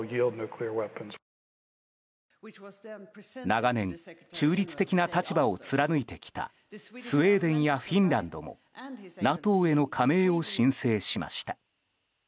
長年中立的な立場を貫いてきたスウェーデンやフィンランドもＮＡＴＯへの加盟を申請しました。